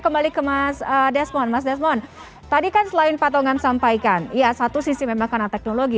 kembali ke mas desmond mas desmond tadi kan selain patongan sampaikan ya satu sisi memang karena teknologi